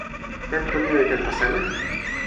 tenpo ni li tenpo seme?